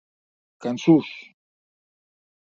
Cançons!